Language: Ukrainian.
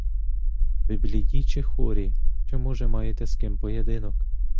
Ви бліді чи хорі, чи, може, маєте з ким поєдинок?